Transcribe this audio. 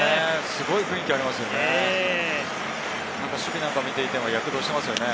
すごい雰囲気ありますよね。